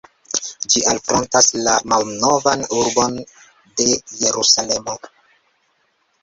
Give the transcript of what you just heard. Ĝi alfrontas la Malnovan Urbon de Jerusalemo.